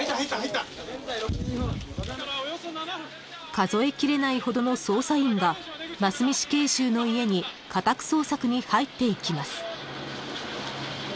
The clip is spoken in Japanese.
［数えきれないほどの捜査員が真須美死刑囚の家に家宅捜索に入っていきます］